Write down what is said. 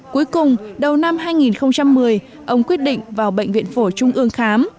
cuối cùng đầu năm hai nghìn một mươi ông quyết định vào bệnh viện phổi trung ương khám